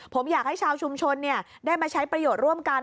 ผมอยากให้ชาวชุมชนได้มาใช้ประโยชน์ร่วมกัน